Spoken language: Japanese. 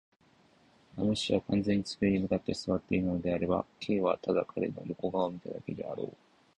ラム氏が完全に机に向って坐っていたのであれば、Ｋ はただ彼の横顔を見ただけであろう。